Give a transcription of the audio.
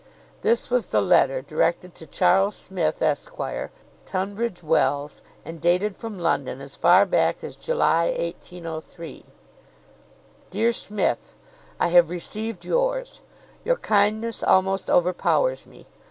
This was the letter, directed to "Charles Smith, Esq. Tunbridge Wells," and dated from London, as far back as July, 1803:— "Dear Smith, "I have received yours. Your kindness almost overpowers me.